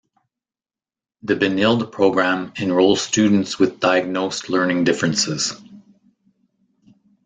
The Benilde Program enrolls students with diagnosed learning differences.